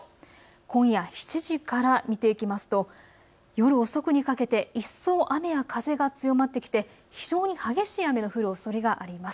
今夜７時から見ていきますと夜遅くにかけて一層雨や風が強まってきて非常に激しい雨の降るおそれがあります。